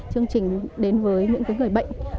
chương trình đến với những người bệnh ở khắp mọi nơi